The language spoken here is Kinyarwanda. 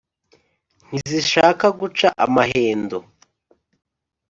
ntizishaka guca amahendo